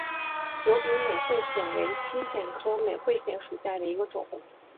疣柄美喙藓为青藓科美喙藓属下的一个种。